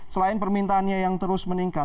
selain permintaannya yang terus meningkat